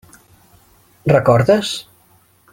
Recordes?